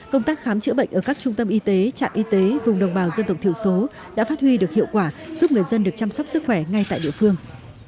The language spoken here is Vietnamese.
công tác khám chữa bệnh ở các trung tâm y tế trạm y tế vùng đồng bào dân tộc thiểu số đã phát huy được hiệu quả giúp người dân được chăm sóc sức khỏe ngay tại địa phương